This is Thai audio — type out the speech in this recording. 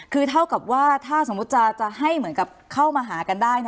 คือเท่ากับว่าถ้าสมมุติจะให้เหมือนกับเข้ามาหากันได้